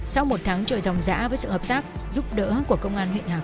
sau một tháng trời dòng dã với sự hợp tác giúp đỡ của công an huyện hà phương